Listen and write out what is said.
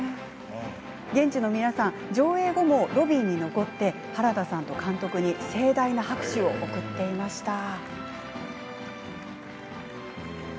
現地の皆さんは上映後もロビーに残って原田さんと監督に盛大な拍手を送っていました。